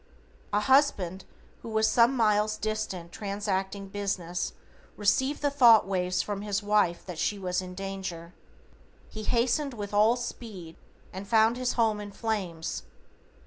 A husband who was some miles distant transacting business received the thought waves from his wife that she was in danger. He hastened with all speed and found his home in flames.